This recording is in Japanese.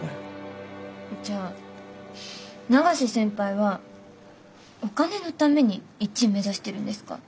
じゃあ永瀬先輩はお金のために１位目指してるんですか？